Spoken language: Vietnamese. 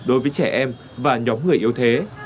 đối với trẻ em và nhóm người yếu thế